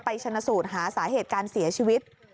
ชนะสูตรหาสาเหตุการเสียชีวิต